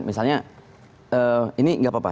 misalnya ini nggak apa apa